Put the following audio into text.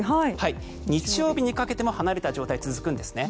日曜日にかけても離れた状態が続くんですね。